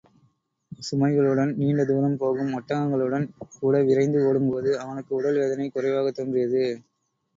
சுமைகளுடன் நீண்டதுரம் போகும் ஒட்டகங்களுடன் கூடவிரைந்து ஓடும்போது, அவனுக்கு உடல் வேதனை குறைவாகத் தோன்றியது.